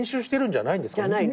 じゃないんです。